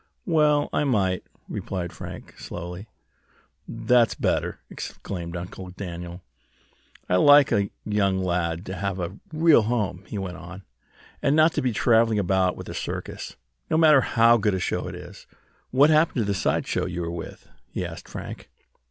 "Well, I might," replied Frank, slowly. "That's better!" exclaimed Uncle Daniel. "I like a young lad to have a real home," he went on, "and not be traveling about with a circus, no matter how good a show it is. What happened to the side show you were with?" he asked Frank.